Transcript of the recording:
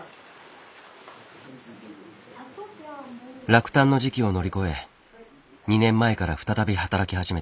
落胆の時期を乗り越え２年前から再び働き始めた。